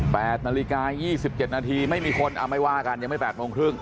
แปดนาฬิกา๒๗นาทีไม่มีคนเอาไม่ว่ากันยังไม่แปดโมงครึ่ง